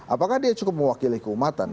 apakah dia cukup mewakili keumatan